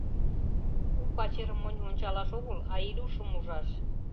У пачерым монь ончалаш огыл, а Илюшым ужаш.